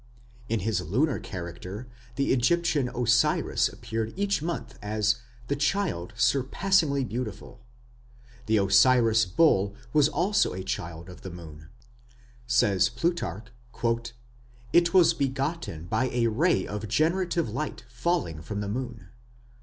In his lunar character the Egyptian Osiris appeared each month as "the child surpassingly beautiful"; the Osiris bull was also a child of the moon; "it was begotten", says Plutarch, "by a ray of generative light falling from the moon".